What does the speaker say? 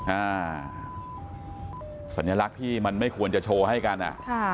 อ่าสัญลักษณ์ที่มันไม่ควรจะโชว์ให้กันอ่ะค่ะ